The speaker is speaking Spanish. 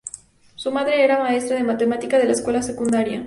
Su madre era maestra de matemática en la escuela secundaria.